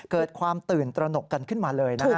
เกิดความตื่นตระหนกกันขึ้นมาเลยนะฮะ